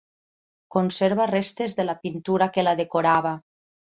Conserva restes de la pintura que la decorava.